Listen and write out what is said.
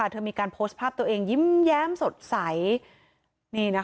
เธอมีการโพสต์ภาพตัวเองยิ้มแย้มสดใส